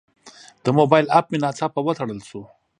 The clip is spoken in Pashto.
د موبایل اپ مې ناڅاپه وتړل شو.